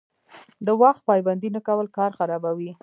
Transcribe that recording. د وخت پابندي نه کول کار خرابوي.